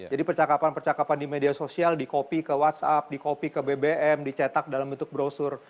jadi percakapan percakapan di media sosial di copy ke whatsapp di copy ke bbm dicetak dalam bentuk brosur